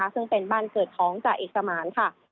ซึ่งเป็นบ้านเกิดท้องจากเอกสมาร์น